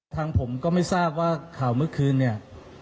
ทางผมก็ไม่ทราบว่าข่าวเมื่อคืนเนี่ย